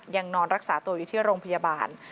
ยังนอนรักษาตัวอยู่ที่โรงพยาบาล